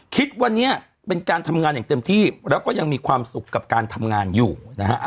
คิดว่านี้เป็นการทำงานอย่างเต็มที่แล้วก็ยังมีความสุขกับการทำงานอยู่นะฮะ